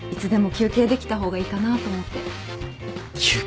休憩。